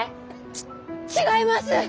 ち違います！